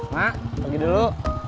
mak pergi dulu